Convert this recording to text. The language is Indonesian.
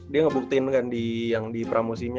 dia ngebuktiin kan yang di pramosim nya